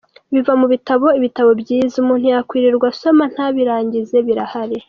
Biva mu bitabo; ibitabo byiza umuntu yakwirirwa asoma ntabirangize birahari.